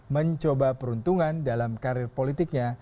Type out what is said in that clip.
mencoba peruntungan dalam karir politiknya